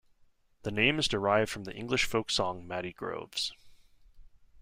The name is derived from the English folk song Matty Groves.